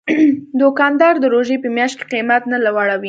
دوکاندار د روژې په میاشت کې قیمت نه لوړوي.